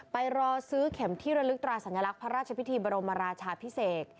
ไปรอซื้อเข็มที่ระลึกตราสัญลักษณ์พระราชพิธีบรมราชาพิเศษ